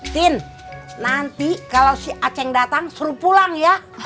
tin nanti kalau si acang datang suruh pulang ya